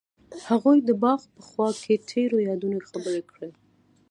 هغوی د باغ په خوا کې تیرو یادونو خبرې کړې.